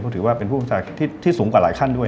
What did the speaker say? เพราะถือว่าเป็นผู้บัญชาการที่สูงกว่าหลายขั้นด้วย